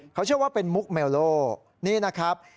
เขาเชื่อว่าเป็นมุกเมลโลนี่นะครับ